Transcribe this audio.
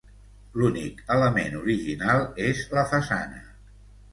L'únic element original és la façana.